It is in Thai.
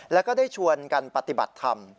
แล้วก็ได้ชวนกันปฏิบัติธรรม